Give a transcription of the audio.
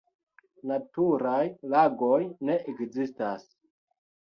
Naturaj lagoj ne ekzistas.